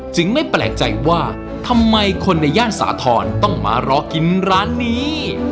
ไม่แปลกใจว่าทำไมคนในย่านสาธรณ์ต้องมารอกินร้านนี้